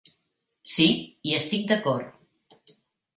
Sí, hi estic d'acord.